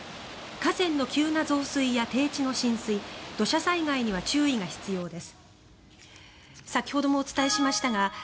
河川の急な増水や低地の浸水、土砂災害には注意が必要です。